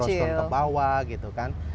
gros ton kebawah gitu kan